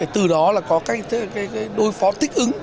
từ đó là có cách đối phó thích ứng